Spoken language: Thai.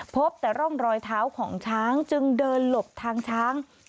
พบแต่ร่องรอยเท้าของช้างจึงเดินหลบทางช้าง